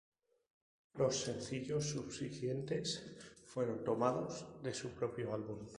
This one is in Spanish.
Los sencillos subsiguientes fueron tomados de su propio álbum.